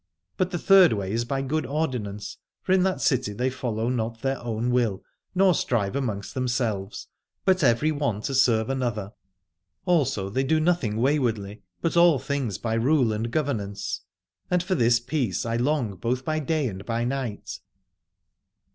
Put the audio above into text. But the third way is by good ordinance, for in that city they follow not their own will, nor strive amongst themselves, but every one to serve another: also they do nothing waywardly, but all things by rule and governance. And for this peace I long both by day and by night.